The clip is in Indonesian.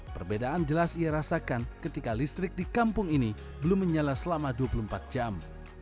perbedaan jelas ia rasakan ketika listrik di kampung ini belum menyala selama dua puluh empat jam